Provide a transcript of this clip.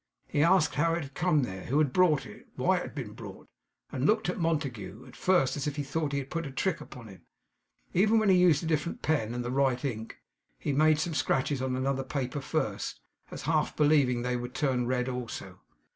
He asked how it had come there, who had brought it, why it had been brought; and looked at Montague, at first, as if he thought he had put a trick upon him. Even when he used a different pen, and the right ink, he made some scratches on another paper first, as half believing they would turn red also.